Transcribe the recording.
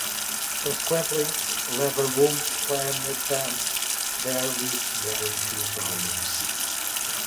Consequently, Leverhulme's plans advanced there with very few problems.